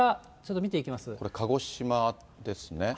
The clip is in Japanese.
これ、鹿児島ですね。